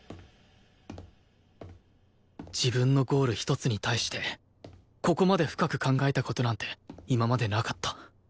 自分のゴールひとつに対してここまで深く考えた事なんて今までなかった